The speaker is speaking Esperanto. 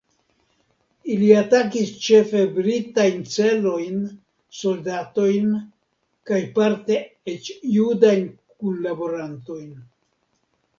Ili atakis ĉefe britajn celojn, soldatojn kaj parte eĉ judajn kunlaborantojn.